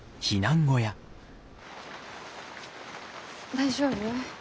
大丈夫？